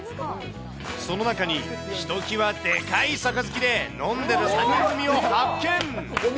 その中に、ひときわでかいさかずきで飲んでる３人組を発見。